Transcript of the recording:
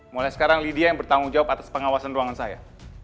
mulai sekarang lydia yang bertanggung jawab atas pengawasan ruangan saya